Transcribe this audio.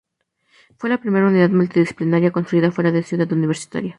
Fue la primera unidad multidisciplinaria construida fuera de Ciudad Universitaria.